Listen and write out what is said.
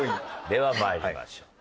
では参りましょう。